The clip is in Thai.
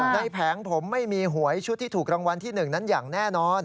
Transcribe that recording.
แผงผมไม่มีหวยชุดที่ถูกรางวัลที่๑นั้นอย่างแน่นอน